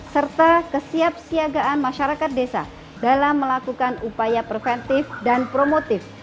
serta kesiapsiagaan masyarakat desa dalam melakukan upaya preventif dan promotif